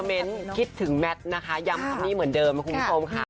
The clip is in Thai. คิดจะเม้นท์คิดถึงแมทนะคะยำคนนี้เหมือนเดิมคุณผู้ชมค่ะ